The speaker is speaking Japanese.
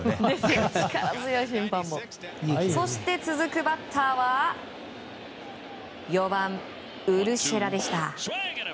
そして、続くバッターは４番、ウルシェラでした。